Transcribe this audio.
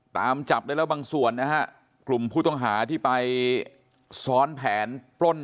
ตามจับได้แล้วบางส่วนนะฮะกลุ่มผู้ต้องหาที่ไปซ้อนแผนปล้น